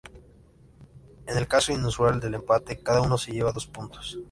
En el caso inusual de empate, cada uno se lleva dos puntos.